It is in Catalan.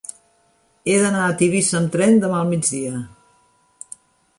He d'anar a Tivissa amb tren demà al migdia.